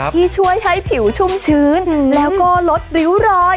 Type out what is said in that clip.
ที่ช่วยให้ผิวชุ่มชื้นแล้วก็ลดริ้วรอย